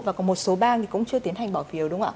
và còn một số bang thì cũng chưa tiến hành bỏ phiếu đúng không ạ